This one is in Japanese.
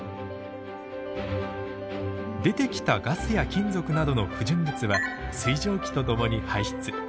出てきたガスや金属などの不純物は水蒸気とともに排出。